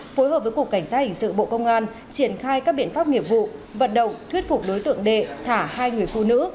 phối hợp với cục cảnh sát hình sự bộ công an triển khai các biện pháp nghiệp vụ vận động thuyết phục đối tượng đệ thả hai người phụ nữ